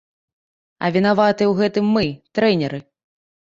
А вінаватыя ў гэтым мы, трэнеры!